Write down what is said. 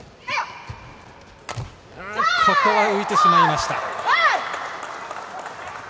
ここは浮いてしまいました。